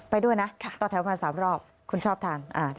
ไปด้วยนะต่อแถวมา๓รอบคุณชอบทาง